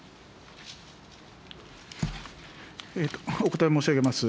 お答え申し上げます。